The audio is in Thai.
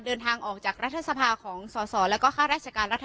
เดินทางออกจากรัฐสภาของสอสอแล้วก็ข้าราชการรัฐ